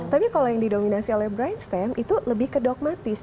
tapi kalau yang didominasi oleh brain stem itu lebih kedogmatis